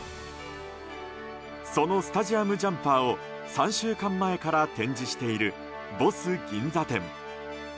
そのスタジアムジャンパーを３週間前から展示しているＢＯＳＳ銀座店。